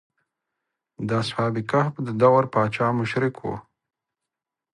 د اصحاب کهف د دور پاچا مشرک و.